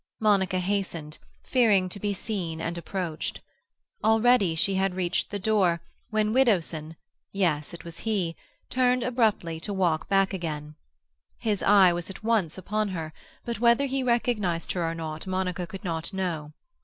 Monica hastened, fearing to be seen and approached. Already she had reached the door, when Widdowson—yes, he it was—turned abruptly to walk back again. His eye was at once upon her; but whether he recognized her or not Monica could not know.